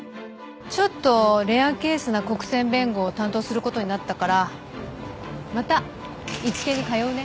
ちょっとレアケースな国選弁護を担当することになったからまたイチケイに通うね。